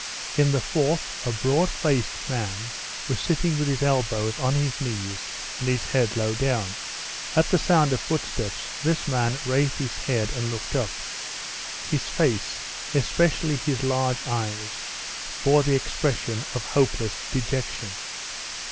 In the fourth a broad faced man was sitting with his elbows on his knees and his head low down. At the sound of footsteps this man raised his head and looked up. His face, especially his large eyes, bore the expression of hopeless dejection.